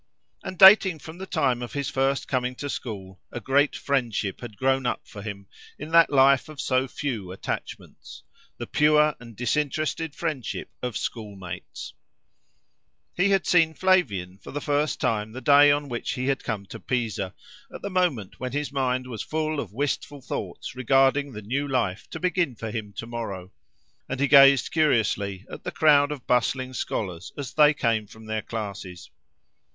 And, dating from the time of his first coming to school, a great friendship had grown up for him, in that life of so few attachments—the pure and disinterested friendship of schoolmates. He had seen Flavian for the first time the day on which he had come to Pisa, at the moment when his mind was full of wistful thoughts regarding the new life to begin for him to morrow, and he gazed curiously at the crowd of bustling scholars as they came from their classes.